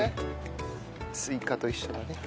スイカと一緒だね。